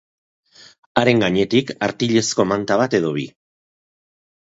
Haren gainetik artilezko manta bat edo bi.